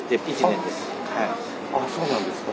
あっそうなんですか。